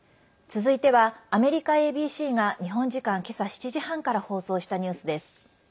続いては、アメリカＡＢＣが日本時間けさ７時３０から放送したニュースです。